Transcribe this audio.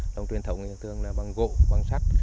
lồng truyền thống thường là bằng gộ bằng sắc